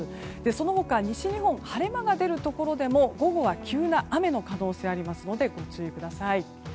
その他、西日本の晴れ間が出るところでも午後は急な雨の可能性がありますのでご注意ください。